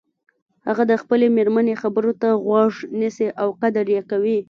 هغه د خپلې مېرمنې خبرو ته غوږ نیسي او قدر یی کوي